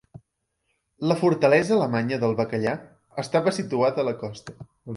La fortalesa alemanya del bacallà estava situada a la costa.